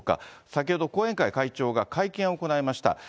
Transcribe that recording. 先ほど後援会会長が会見を行いました。